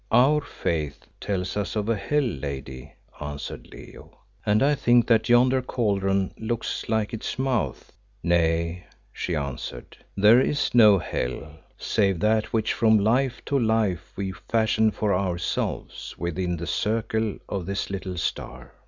"Our faith tells us of a hell, lady," answered Leo, "and I think that yonder cauldron looks like its mouth." "Nay," she answered, "there is no hell, save that which from life to life we fashion for ourselves within the circle of this little star.